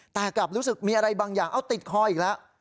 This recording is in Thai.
แต่กลับรู้สึกมีอะไรบางอย่างเอาติดคออีกแล้ว